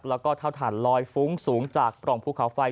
แล้วก็เท่าฐานลอยฟุ้งสูงจากปล่องภูเขาไฟ